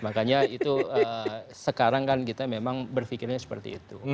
makanya itu sekarang kan kita memang berpikirnya seperti itu